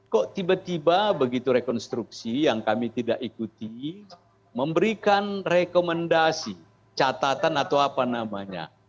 kok tiba tiba begitu rekonstruksi yang kami tidak ikuti memberikan rekomendasi catatan atau apa namanya